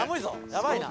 やばいな。